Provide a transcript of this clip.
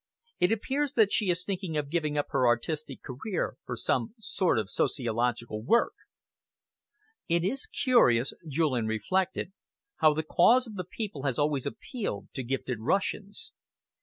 It appears that she is thinking of giving up her artistic career for some sort of sociological work." "It is curious," Julian reflected, "how the cause of the people has always appealed to gifted Russians.